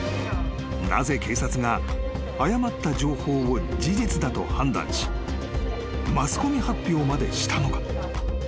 ［なぜ警察が誤った情報を事実だと判断しマスコミ発表までしたのか？］